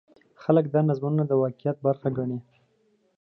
خلک دا نظمونه د واقعیت برخه ګڼي.